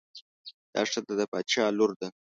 دا ښځه د باچا لور ده.